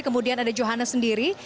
kemudian ada johannes sendiri